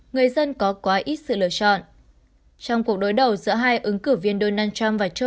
người dân có quá ít sự lựa chọn trong cuộc đối đầu giữa hai ứng cử viên donald trump và châu